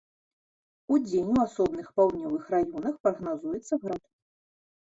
Удзень у асобных паўднёвых раёнах прагназуецца град.